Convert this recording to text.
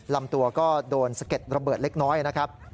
ลำตัวก็โดนสะเก็ดระเบิดเล็กน้อยนะครับ